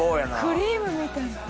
クリームみたい。